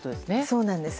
そうなんです。